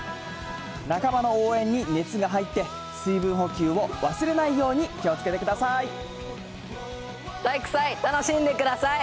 仲間の応援に熱が入って、水分補給を忘れないように気をつけてください。